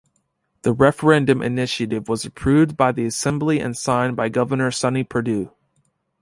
The referendum initiative was approved by the Assembly and signed by Governor Sonny Perdue.